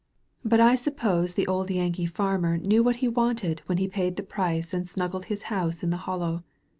239 THE VALLEY OF VISION But I suppose the old Yankee farmer knew what he wanted when he paid the price and snuggled his house in the hollow.